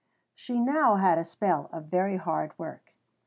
She had now a spell of very hard work.